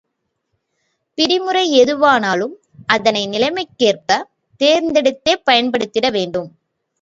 பிடிமுறை எதுவானாலும், அதனை நிலைமைக் கேற்பத் தேர்ந்தெடுத்தே பயன்படுத்திட வேண்டும்.